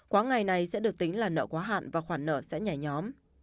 quá ngày này sẽ được tính là nợ quá hạn và khoản nợ sẽ nhả nhóm